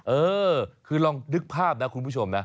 เออกลุ่มนึกภาพนะคุณผู้ชม